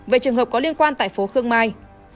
về trường hợp có liên quan tại phố khương mai